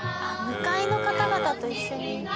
向かいの方々と一緒に。